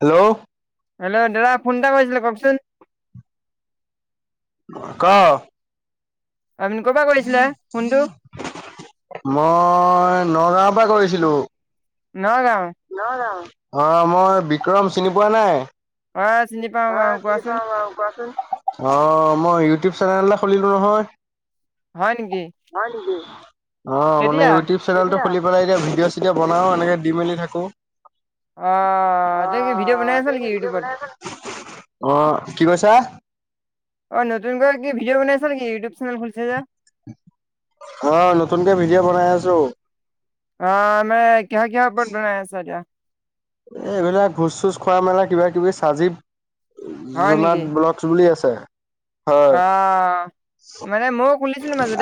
Hello. Hello দাদা phone এটা কৈছিলে, কওঁকচোন। ক'। আপুনি ক'ৰ পৰা কৰিছিলে ফোনটো মই, নগাঁওৰ পৰা কৰিছিলো। নগাঁও অ' মই বিক্ৰম চিনি পোৱা নাই। অ' চিনি পাওঁ বাৰু কোৱাচোন অহ' মই ইউটোপ চেনেল এটা খুলিলো নহয়। হয় নেকি অ' মানে কেতিয়া ইউটৈপ চেনেলটো খুলি। পেলাই এতিয়া ভিডঅ চিডিঅ বনাও, এনেকে দি মেলি থাকো। অ' তই কি ভিডিঅ' অহ', বনাই আছ তে নেকি এতিয়া ভিডিঅ' ইউটিউবত বনাই আছা নেকি? অহ' কি কৈছা। অ' নতুনকৈ কি ভিডিঅ' বনাইছ নেকি, ইউটিউব চেনেল খুলচা যে। অহ' নতুনকে ভিডিঅ' বনাই আছো। অহ' মানে কিহৰ কিহৰ ওপৰত বনায় আছা এতিয়া। এই এইবিলাক, ভোজ চোজ খোৱা মেলা কিবা কিবি চাজীৱ জোনাত ব্লক বুলি আছে। অহ'।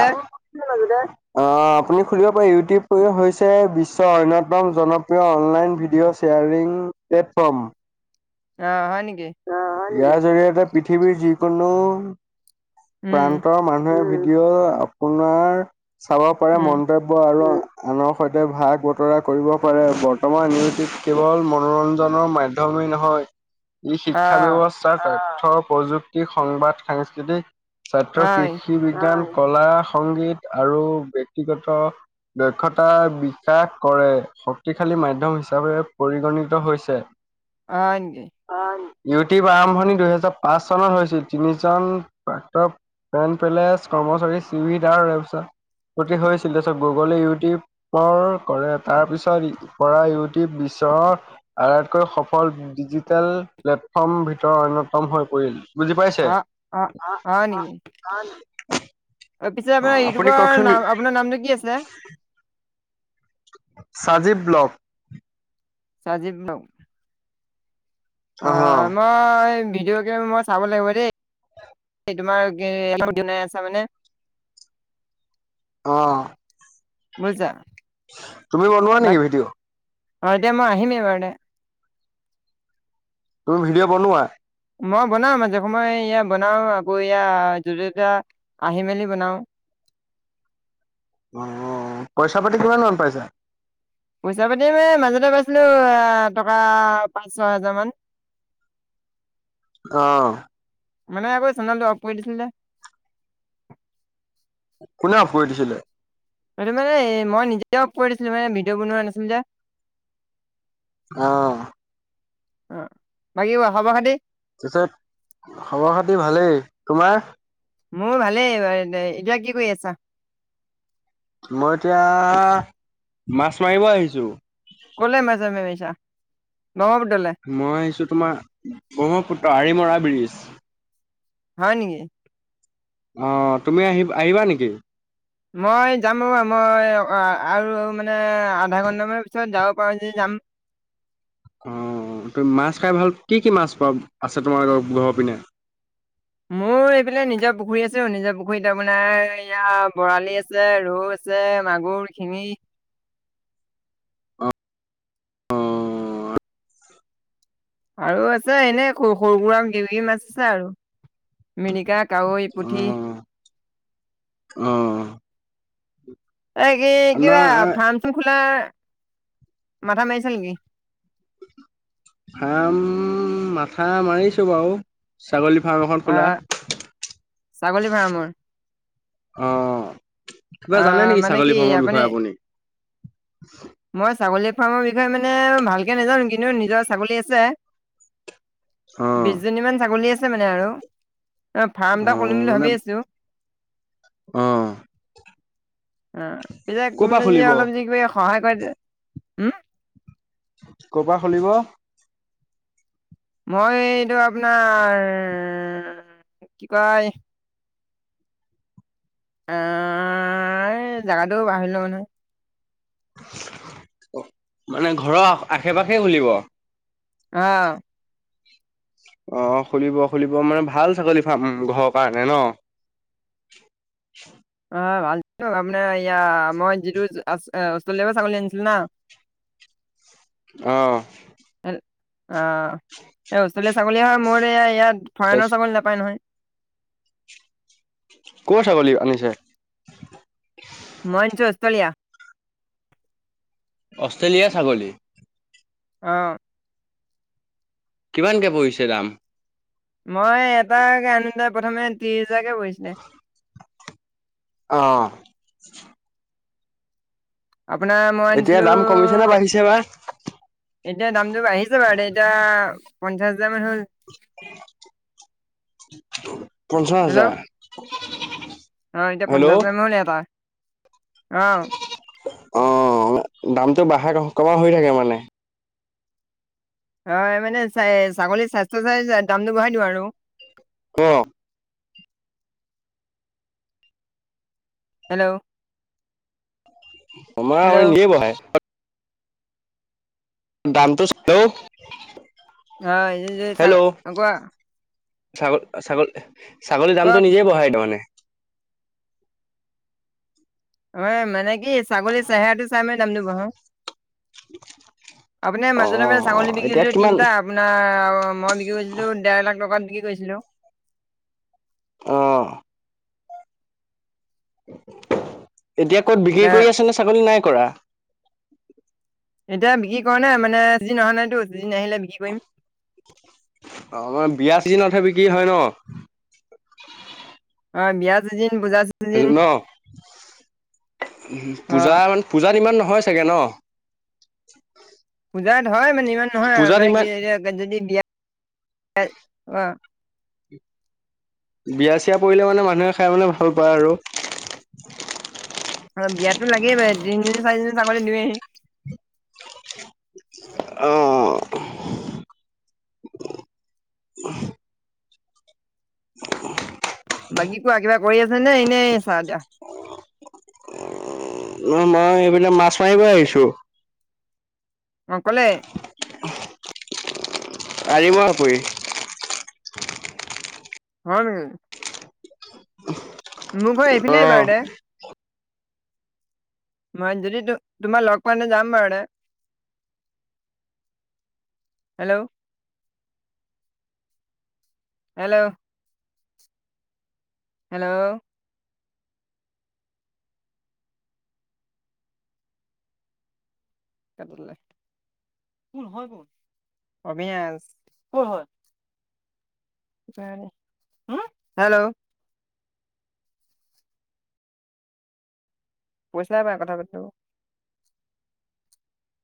অহ' আপুনি খুলিব পাৰে, ইউটো। [unintelligible] হৈছে বিশ্বৰ অন্যতম জনপ্ৰিয় অনলাইন ভিডিঅ'। Sharing, platform. অ' হয় নেকি। ইয়াৰ জৰিয়তে পৃথিৱীৰ যিকোনো, উম প্ৰান্তৰ মানুহে ভিডিঅ'। কিয়? আপোনাৰ, চাব পাৰা উম মন্তব্য আৰু। আনৰ সৈতে ভাগ বতৰা কৰিব পাৰে। বৰ্তমান ইউটিপ কেৱল মনোৰঞ্জনৰ মাধ্যম। তুমি নহয়। ই শিক্ষা অ' ব্যৱস্থা, তথ্য প্ৰযুক্তি, সংবাদ সাংস্কৃতি। ছাত্ৰ হয় কৃষি বিজ্ঞান কলা সংগীত আৰু ব্যক্তিগত। দক্ষতা বিকাশ কৰে। শক্তিশালী মাধ্যম হিচাপে পৰিগণিত হৈছে। হয়' নেকি। ইউটিউব আৰম্ভণি দুহেজাৰ পাঁচ চনত হৈছিল তিনি জন প্ৰাক্ত পেন পেলেচ কৰ্মচাৰী চিদ আৰু এই পিছত হৈছিল তাৰ গুগলে ইউটিউবৰ কৰে তাৰ পিছত পৰা ইউটিউব ্বৰৰ আটাইতকৈ সফল ডিজিটেল প্লেটফৰ্মৰ ভিতৰত অন্যতম হৈ পৰিল বুজি পাইছে অ' অ' হয় নেকি পিছে আপোনাৰ আপুনি ইউটিউবৰ কওকচোন নাম আপোনাৰ নামটো কি আছিল সাজীৱ ব্লক চাজীৱ লও অ ন ভিডিঅ গেম মই চাব লাগিব দেই তোমাৰলপাই আছ মানে অ বজা তুমি বনোৱা নেকি ভিডিঅ' অ এতিয়া মই আহিম এইবাৰে তুমি ভিডিঅ' বনোৱা মই বনাম আজে সময় ইয়া বনাও আকৌ এয়া যয়া আহি মেলি বনাও আহ পইচা পাতি কিমান মন পাইছা পইচা পাতি মে মাজতে পাইছিলো এ টকা পাঁচ ছ হোজাৰ মান আহ মানে আকৌ চনালো অ কৈ দিছিলে কোনে ফুৰি উ দিছিলে স মানে মই নিজে কৰি দিছিলো মানে ভিডিঅ' বনোৱা নাছিলো যে আহ অ বাকী খব খাতি তাৰিছত খবৰ খাতি ভালেই তোমাৰ মোৰ ভালেই এতিয়া কি কৰি আছা মই এতিয়া মাছ মাৰিব আহিছো কলে মছামমছা মই আহিছো তোমাৰ ব্ৰহ্মপুত্ৰ আৰিমৰা ব্ৰীিজ হয় নেকি অ তুমি আহি আহিবা নেকি মই যাম ব মই আৰু মানে আধা ঘণ্টামানৰ পিছত যাব পাৰোঁ যদি যাম অ তমি মাছ খাই ভাল কি কি মাছ প আছে তোমাৰ ঘৰৰ পিনে মোৰ এইফালে নিজৰ পুখুৰী আছেো নিজৰ পুখুৰীত আপোনাৰ ইয়া বৰালি আছে ৰৌ আ আছে মাগুৰ শিঙি অ অ আৰু আছে এনেৰু সৰুবুৰা দেউী মাছ আছে আৰু মিৰিকা কাৱৈ পুঠি অ অ এই কি কিবা আপোনাৰ ফাৰ্ম চো খোলা মাথা মাৰিছে নেকি খাম মাথা মাৰিছো বাৰু ছাগলী ফাৰ্ম এখন খোলা অ' ছাগলী ফাৰ্মৰ অ কিবা জানে অ' নেকি মানে কি ছাগলী ফাৰ্মৰ বিষয়ে আপুনি মই ছাগলী ফাৰ্মৰ বিষয়ে মানে ভালকে নোজানো কিন্তু নিজৰ ছাগলী আছে অ বিশজনী মান ছাগলী আছে মানে আৰু অ ফাৰ্ম এটা অ কৰিম বুলি মানে ভাবি আছো অ অ পাক ক'ৰ কো পৰা খুলিব অলপ য কিবা সহায় কৰে দ হ ক পৰা খুলিব? মই এইটো আপোনাৰ কি কয় এ এই জোগাটো বাহিৰ ম নহয় মানে ঘৰৰ আশে পাশে খুলিব আহ অ খুলিব খুলিব মানে ভাল ছাগলী ফাম ঘৰৰ কাৰণে ন উ ভালো আপোনাৰয়া মই যিটো অষ্ট্ৰেলিয়া পা ছাগলী আনিছিলো ন আহ অ এই অষ্ট্ৰেলিয়া ছাগলী হয় মোৰ ইয়াত তাৰপিছ ফৰেইনৰ ছাগলী নাপায় নহয় ক ছাগলী আনিছে? মই আনিছোঁ অষ্ট্ৰেলিয়া অষ্ট্ৰেলিয়াৰ ছাগলী আহ কিমানকে পৰিছে দাম মই এটাকে আনিলে প্ৰথমে ত্ৰিশ হোজাৰকে পৰিহিছিলে আহ আপোনাৰ মই এতিয়া আনিছিলো দাম কমিছে নে বাঢ়িছে বা এতিয়া দামটো বাঢ়িছে বাৰু দে এতিয়া পঞ্চাশহেজাৰ মান হল হেল্ল পে পে পে অ এতিয়া পঞ্চাশ হেজাৰ মান হল এটাত আহ অ দামটো বাঢ়া কমা হৈ থাকে মানে হয় মানে চ ছাগলীৰ স্বাস্থ্য চাই দামটো বঢ়াই দিওঁ আৰু ক হেল্ল' আমাৰ মে হেল্ল' নিজে বহাই দামটো চাও অ, চ আগুৱোৱা। [unintelligible] ছাগ - ছাগল - ছাগলীৰ দামটো কওক নিজে বঢ়াই তাৰমানে মানে। অ, মানে কি ছাগলীৰ চেহেৰাটো চাই মানে দাম দ বহাও। আপোনাৰ মাজতে- মাজে ছাগলী অ', এতিয়া বিকিছিলে কিমান তিনটা আপোনাৰ মই বিক্ৰী কৰিছিলো দেৰ লাখ টকাত বিক্ৰী কৰিছিলো। অহ ', এতিয়া ক'ত বিক্ৰী কৰি আছেনে ছাগলী নাই কৰা? এতিয়া বিক্ৰী কৰা নাই মানে চিজিন অহা নাইতো চিজিন আহিলে বিক্ৰী কৰিম। অহ, বিয়া চিজনত হে বিক্ৰী হয় ন? অ, বিয়া সিজিন ন অ পূজা ম পূজাত ইমান নহয়। হয় চাগে ন। পূজাত হয় মানে ইমান নহয় আৰু পূজাত মানে কি ইমান যদি বিয়া অহ ', বিয়া চিয় পৰিলে মানে মানুহে খাই মানে ভাল পায় আৰু অ, বিয়াতো লাগেই তিনিজনী চাৰিজনী ছাগলৈ দি আহি অহ ', অ', বাকী কোৱা কিবা কৰি আছে নে এনেই আছা এতিয়া ন মই এইবিলাক মাছ মাৰিবই আহিছো। অকলে আহিব আপুনি। হয় নেকি? মোক ঘৰ আহফিলে অ আহবাৰ দে মই যদি তোমাৰ লগ পোৱাে যাম বাৰুৰে হেল্ল', হেল্ল', হেল্ল', কোন হয় কোন অবিনা ক হয়। হেল্ল', পইচ নাই পায় কথা পাতিব।